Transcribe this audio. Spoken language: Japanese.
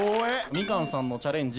みかんさんのチャレンジ